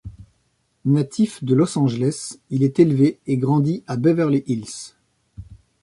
Natif de Los Angeles, il est élevé et grandit à Beverly Hills.